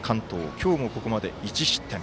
今日もここまで１失点。